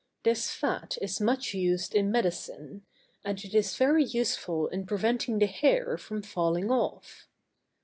This fat is much used in medicine; and it is very useful in preventing the hair from falling off.